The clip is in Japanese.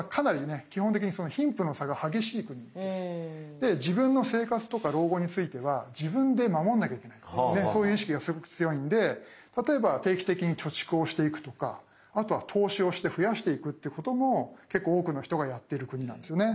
で自分の生活とか老後については自分で守んなきゃいけないっていうそういう意識がすごく強いので例えば定期的に貯蓄をしていくとかあとは投資をして増やしていくってことも結構多くの人がやってる国なんですよね。